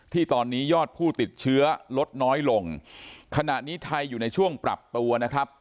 ที่ตอนนี้ยอดผู้ติดเชื้อลดน้อยลงขณะนี้ไทยอยู่ในช่วงปรับตัวนะครับ